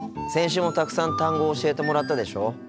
先週もたくさん単語を教えてもらったでしょ？